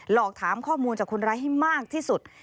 อกถามข้อมูลจากคนร้ายให้มากที่สุด